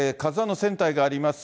ＫＡＺＵＩの船体があります